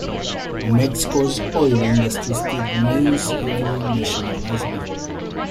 Mexico's oil industry still remains heavily nationalized.